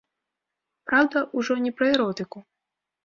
Праўда, ужо не пра эротыку.